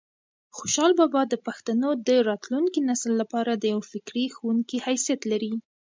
خوشحال بابا د پښتنو د راتلونکي نسل لپاره د یو فکري ښوونکي حیثیت لري.